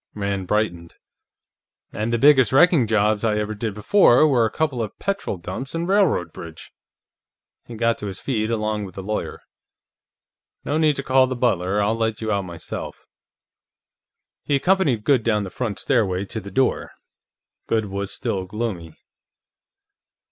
Rand brightened. "And the biggest wrecking jobs I ever did before were a couple of petrol dumps and a railroad bridge." He got to his feet along with the lawyer. "No need to call the butler; I'll let you out myself." He accompanied Goode down the front stairway to the door. Goode was still gloomy.